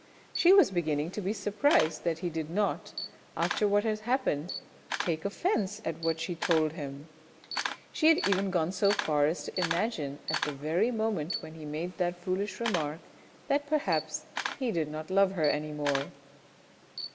She was beginning to be surprised that he did not, after what had happened, take offence at what she told him. She had even gone so far as to imagine at the very moment when he made that foolish remark that perhaps he did not love her any more.